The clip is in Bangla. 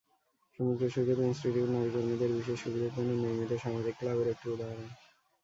সমুদ্র সৈকত ইনস্টিটিউট নারী কর্মীদের বিশেষ সুবিধার জন্য নির্মিত সামাজিক ক্লাবের একটি উদাহরণ।